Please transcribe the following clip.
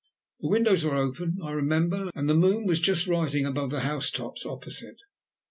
The windows were open, I remember, and the moon was just rising above the house tops opposite.